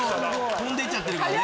飛んで行っちゃってるからね。